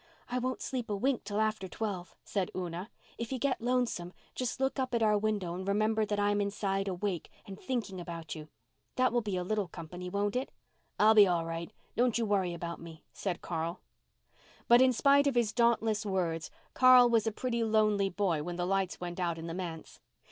"I won't sleep a wink till after twelve," said Una. "If you get lonesome just look up at our window and remember that I'm inside, awake, and thinking about you. That will be a little company, won't it?" "I'll be all right. Don't you worry about me," said Carl. But in spite of his dauntless words Carl was a pretty lonely boy when the lights went out in the manse.